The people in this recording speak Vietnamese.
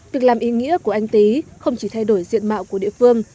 việc làm ý nghĩa của anh tý không chỉ thay đổi diện mạo của địa phương